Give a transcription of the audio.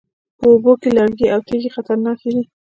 په اوبو کې لرګي او تیږې خطرناکې دي